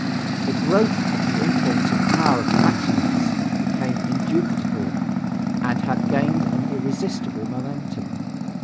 The growth of the influence and power of the Maximalists became indubitable and had gained an irresistable momentum.